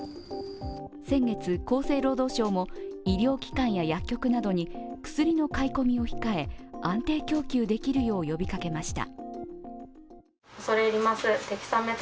先月、厚生労働省も医療機関や薬局などに薬の買い込みを控え安定供給できるよう呼びかけました。